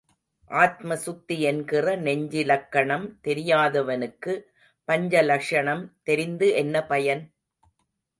ஆத்ம சுத்தி என்கிற நெஞ்சிலக்கணம் தெரியாதவனுக்கு பஞ்ச லக்ஷணம் தெரிந்து என்ன பயன்?